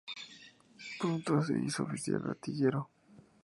Pronto se hizo Oficial artillero.